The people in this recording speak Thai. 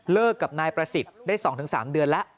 กับนายประสิทธิ์ได้๒๓เดือนแล้ว